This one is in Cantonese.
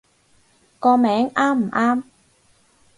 個名啱唔啱